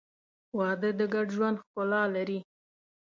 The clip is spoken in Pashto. • واده د ګډ ژوند ښکلا لري.